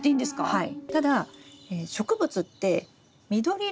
はい。